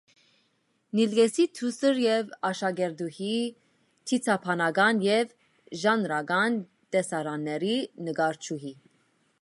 Նիլկեսի դուստր և աշակերտուհի, դիցաբանական և ժանրական տեսարանների նկարչուհի։